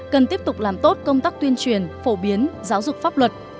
cần tiếp tục làm tốt công tác tuyên truyền phổ biến giáo dục pháp luật